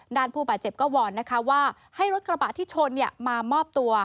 ผู้บาดเจ็บก็วอนนะคะว่าให้รถกระบะที่ชนมามอบตัว